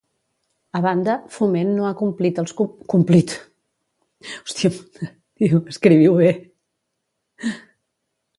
A banda, Foment no ha complit els compromisos per a les inversions de Rodalies.